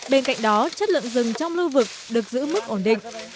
bên cạnh đó chất lượng rừng trong lưu vực được giữ mức ổn định